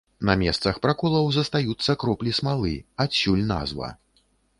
На месцах праколаў застаюцца кроплі смалы, адсюль назва.